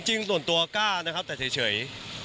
จริงส่วนตัวกล้านะครับแต่เฉย